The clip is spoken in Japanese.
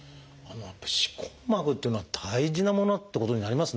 歯根膜というのは大事なものってことになりますね。